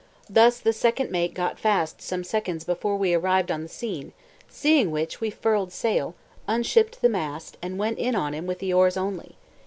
Thus the second mate got fast some seconds before we arrived on the scene, seeing which, we furled sail, unshipped the mast, and went in on him with the oars only.